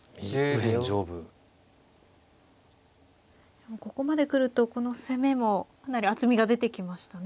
でもここまで来るとこの攻めもかなり厚みが出てきましたね。